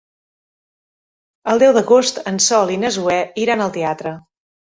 El deu d'agost en Sol i na Zoè iran al teatre.